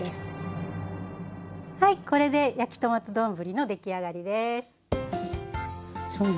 はいこれで「焼きトマト丼」のできあがりです。